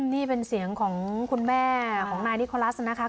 นี่เป็นเสียงของคุณแม่ของนายนิโคลัสนะคะ